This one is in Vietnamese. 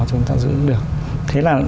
chúng ta giữ được thế là